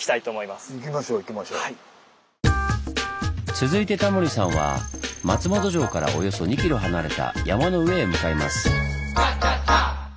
続いてタモリさんは松本城からおよそ２キロ離れた山の上へ向かいます。